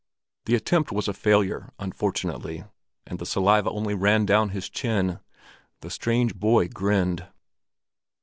The attempt was a failure, unfortunately, and the saliva only ran down his chin. The strange boy grinned.